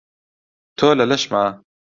تۆ لە لەشما